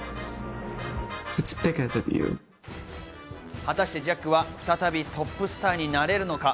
果たしてジャックは再びトップスターになれるのか？